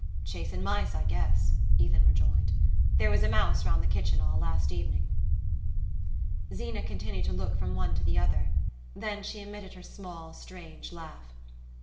"Chasin' mice, I guess," Ethan rejoined. "There was a mouse round the kitchen all last evening." Zeena continued to look from one to the other; then she emitted her small strange laugh.